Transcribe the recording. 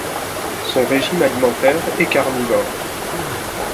Son régime alimentaire est carnivore.